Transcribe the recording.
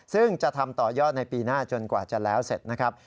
ซึ่งจะทำต่อยอดในปีหน้าจนกว่าจะแล้วเสร็จนะครับ